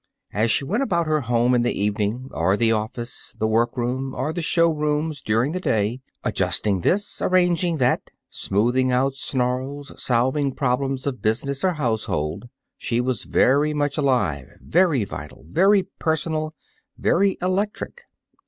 As she went about her home in the evening, or the office, the workroom, or the showrooms during the day, adjusting this, arranging that, smoothing out snarls, solving problems of business or household, she was very much alive, very vital, very personal, very electric.